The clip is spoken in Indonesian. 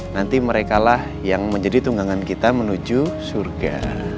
nanti mereka lah yang menjadi tunggangan kita menuju surga